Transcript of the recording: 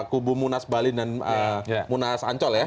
kubu munas bali dan munas ancol ya